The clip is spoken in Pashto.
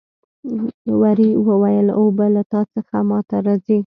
وري وویل اوبه له تا څخه ما ته راځي.